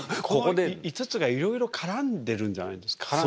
この５つがいろいろ絡んでるんじゃないんですか。